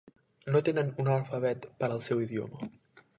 No tenen un alfabet per al seu idioma.